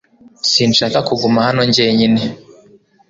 Sinshaka kuguma hano jyenyine .